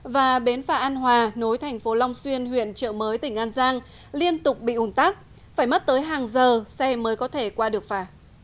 và bến phà an hòa nối thành phố long xuyên huyện trợ mới tỉnh an giang liên tục bị ủn tắc phải mất tới hàng giờ xe mới có thể qua được phả